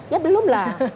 ya belum lah